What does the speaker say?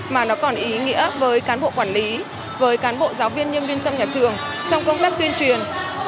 mà nó còn ý nghĩa với cán bộ quản lý với cán bộ giáo viên nhân viên trong nhà trường trong công tác tuyên truyền